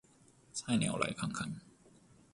菜鳥來看看